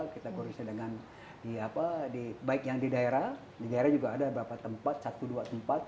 kita berusaha dengan baik yang di daerah di daerah juga ada beberapa tempat satu dua tempat